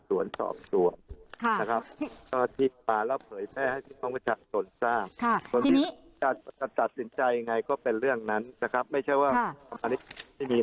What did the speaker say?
ถอดสินใจไงก็เป็นเรื่องนั้นไม่ใช่ว่าน้ำใหญ่